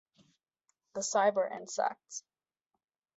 The Cyber Insects.